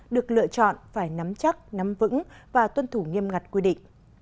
được lựa chọn phải nắm chắc nắm vững và tuân thủ nghiêm ngặt quy định